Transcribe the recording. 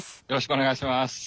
よろしくお願いします。